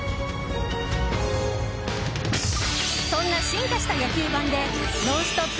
そんな進化した野球盤でノンストップ！